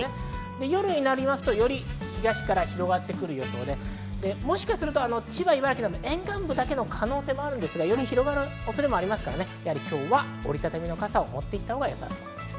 夜になりますと、より東から広がってくる予想で、もしかすると千葉、茨城など沿岸部だけの可能性もありますが、今日は折り畳みの傘を持っていったほうがよさそうです。